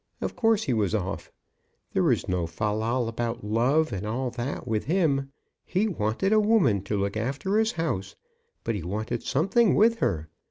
Of course he was off. There was no fal lal about love, and all that, with him. He wanted a woman to look after his house; but he wanted something with her.